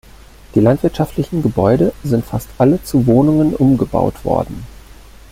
Die landwirtschaftlichen Gebäude sind fast alle zu Wohnungen umgebaut worden.